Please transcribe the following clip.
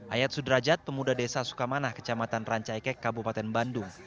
ayat sudrajat pemuda desa sukamanah kecamatan rancaikek kabupaten bandung